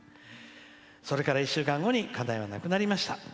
それから１週間後に家内は亡くなりました。